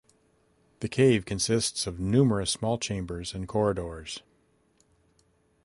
The cave consists of numerous small chambers and corridors.